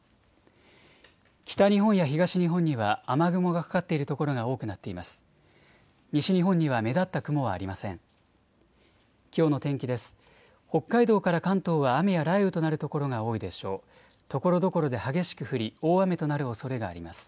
北日本や東日本には雨雲がかかっている所が多くなっています。